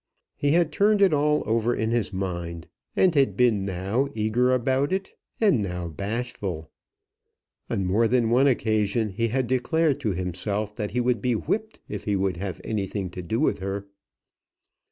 He had turned it all over in his mind, and had been now eager about it and now bashful. On more than one occasion he had declared to himself that he would be whipped if he would have anything to do with her.